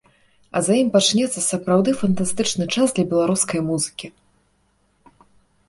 А за ім пачнецца сапраўды фантастычны час для беларускай музыкі.